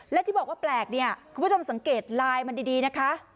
และที่บอกว่าแปลกเนี่ยคุณผู้ชมสังเกตไลน์มันดีนะคะ